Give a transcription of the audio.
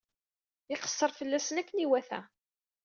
Iqeṣṣer fell-asen akken iwata.